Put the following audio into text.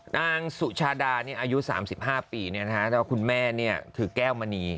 นางสุชาร์ดานี่อายุ๓๕ปีนะฮะแล้วคุณแม่เนี่ยคือแก้วมณี